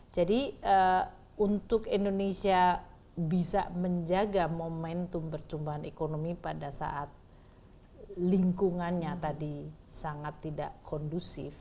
jadi untuk indonesia bisa menjaga momentum percumbahan ekonomi pada saat lingkungannya tadi sangat tidak kondusif